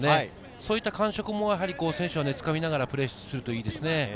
そういった感触もつかみながらプレーするといいですね。